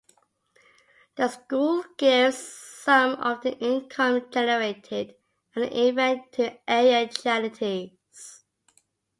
The school gives some of the income generated at the event to area charities.